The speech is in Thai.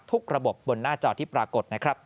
ระบบบนหน้าจอที่ปรากฏนะครับ